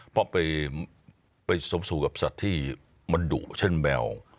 เพราะไปสมสู่กับสัตว์ที่มันดุเช่นแมว